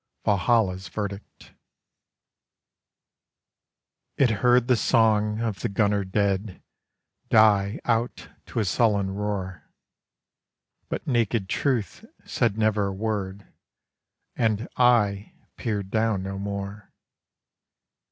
VALHALLA'S VERDICT It heard the Song of the Gunner Dead die out to a sullen roar: But Nakéd Truth said never a word; and Eye peered down no more.